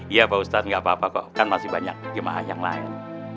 iya pak ustadz gak apa apa kok kan masih banyak jemaah yang lain